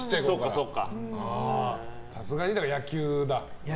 さすがに野球だ。